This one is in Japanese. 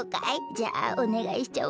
じゃあおねがいしちゃおうかしら。